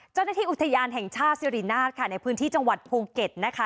เจ้าหน้าที่อุทยานแห่งชาติสิรินาศค่ะในพื้นที่จังหวัดภูเก็ตนะคะ